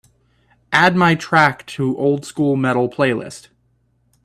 Add my track to old school metal playlist